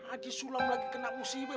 aji sulam lagi kena usiwe